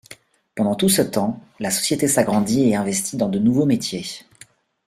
Pendant tout ce temps, la société s’agrandit et investit dans de nouveaux métiers.